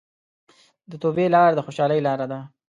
د توبې لار د خوشحالۍ لاره ده.